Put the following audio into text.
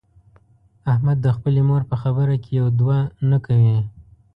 احمد د خپلې مور په خبره کې یو دوه نه کوي.